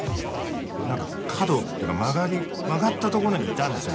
なんか、角っていうか曲がったところにいたんですよ